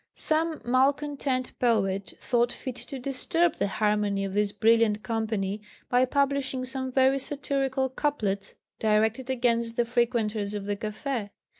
Some malcontent poet thought fit to disturb the harmony of this brilliant company by publishing some very satirical couplets directed against the frequenters of the café.